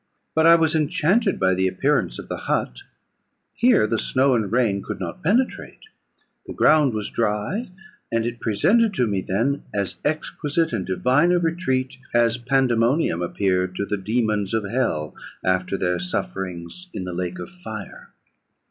But I was enchanted by the appearance of the hut: here the snow and rain could not penetrate; the ground was dry; and it presented to me then as exquisite and divine a retreat as Pandæmonium appeared to the dæmons of hell after their sufferings in the lake of fire.